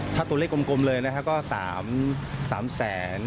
ถ้าตัวเลขกลมเลยนะครับ